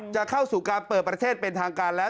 จะเข้าสู่การเปิดประเทศเป็นทางการแล้ว